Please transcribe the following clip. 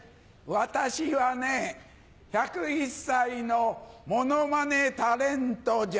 私はね１０１歳のモノマネタレントじゃ。